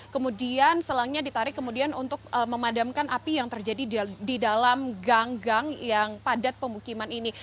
kemudian selangnya ditarik kemudian untuk memadamkan api yang terjadi di dalam ganggang yang padat pemukiman ini